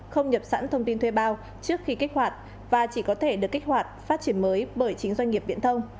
không nhập sẵn thông tin thuê bao trước khi kích hoạt và chỉ có thể được kích hoạt phát triển mới bởi chính doanh nghiệp viễn thông